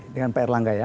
dengan pak erlangga ya